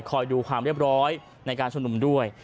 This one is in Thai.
ดูความเรียบร้อยในการชุมนุมด้วย